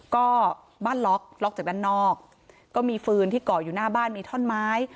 ก็บ้านล็อกล็อกจากด้านนอกก็มีฟืนที่เกาะอยู่หน้าบ้านมีท่อนไม้